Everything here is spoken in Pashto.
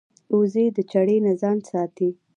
وزې د چړې نه ځان ساتي